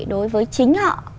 đối với chính họ